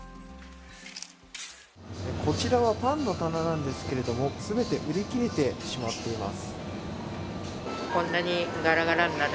こちらはパンの棚なんですけれども、全て売り切れてしまっています。